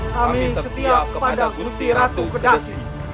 kami setia kepada gusti ratu kedasi